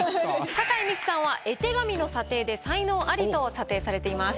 酒井美紀さんは絵手紙の査定で才能アリと査定されています。